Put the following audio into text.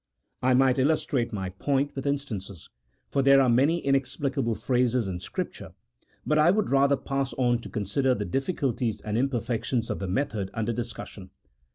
I might illustrate my point with in stances, for there are many inexplicable phrases in Scrip ture, but I would rather pass on to consider the difficulties •and imperfections of the method under discussion.